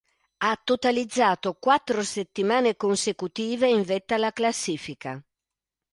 Ha totalizzato quattro settimane consecutive in vetta alla classifica.